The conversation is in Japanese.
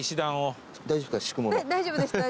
大丈夫ですか？